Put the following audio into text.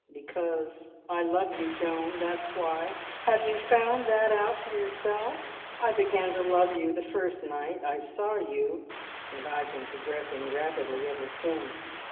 "Because I love you, Joan, that's why! Have you found that out for yourself? I began to love you the first night I saw you, and I've been progressing rapidly ever since.